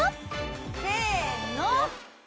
・せの！